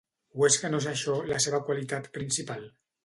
O és que no és això la seva qualitat principal?